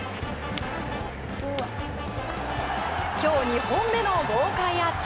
今日２本目の豪快アーチ。